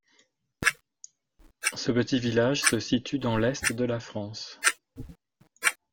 Ce petit village se situe dans l'Est de la France.